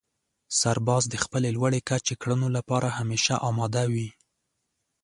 سرباز د خپلې لوړې کچې کړنو لپاره همېشه اماده وي.